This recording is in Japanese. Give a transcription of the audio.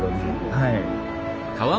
はい。